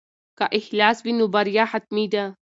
که اخلاص وي نو بریا حتمي ده.